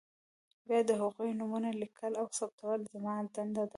بیا د هغوی نومونه لیکل او ثبتول زما دنده ده.